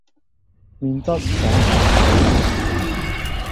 麵質爽口彈牙